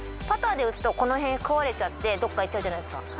パターで打つとこのへんくわれちゃってどこかいっちゃうじゃないですか。